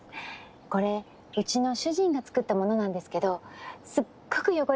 これうちの主人が作ったものなんですけどすっごく汚れが落ちるんです。